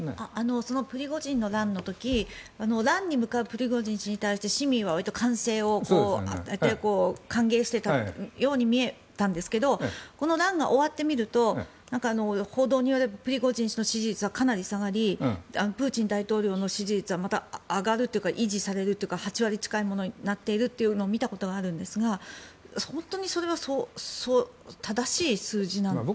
そのプリゴジンの乱の時乱に向かうプリゴジンに対して市民はわりと歓声を上げて歓迎していたように見えたんですがこの乱が終わってみると報道によるとプリゴジン氏の支持率はかなり下がりプーチン大統領の支持率はまた上がるというか維持されるというか８割近いものになっているというのを見たことがあるんですが本当にそれは正しい数字なんでしょうか。